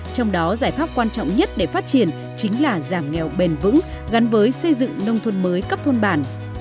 trong đó giải pháp quan trọng nhất để phát triển chính là giảm nghèo bền vững gắn với xây dựng nông thôn mới cấp thôn bản